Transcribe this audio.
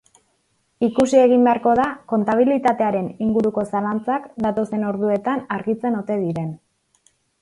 Ikusi egin beharko da kontabilitatearen inguruko zalantzak datozen orduetan argitzen ote diren.